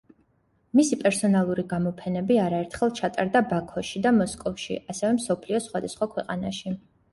მისი პერსონალური გამოფენები არაერთხელ ჩატარდა ბაქოში და მოსკოვში, ასევე მსოფლიოს სხვადასხვა ქვეყანაში.